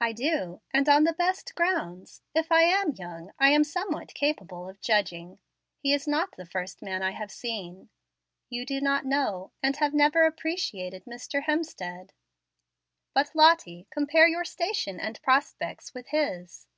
"I do; and on the best grounds. If I am young, I am somewhat capable of judging. He is not the first man I have seen. You do not know, and have never appreciated Mr. Hemstead." "But, Lottie, compare your station and prospects with his."